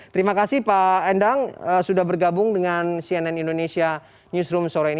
terima kasih pak endang sudah bergabung dengan cnn indonesia newsroom sore ini